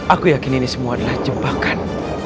aku yakin ini semua adalah jebakan